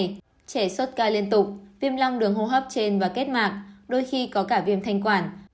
trẻ sốt ca liên tục viêm long đường hô hấp trên và kết mạc đôi khi có cả viêm thanh quản